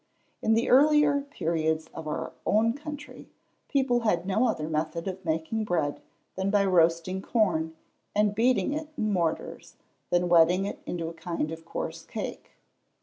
In the earlier periods of our own history, people had no other method of making bread than by roasting corn, and beating it in mortars, then wetting it into a kind of coarse cake.